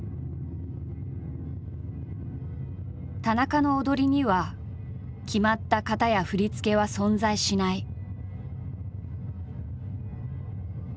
田中の踊りには決まった型や振り付けは存在しない。